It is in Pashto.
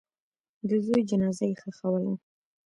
د زوی جنازه یې ښخوله.